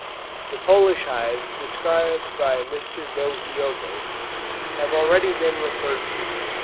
The Polish hives described by Mr. Dohiogost, have already been referred to.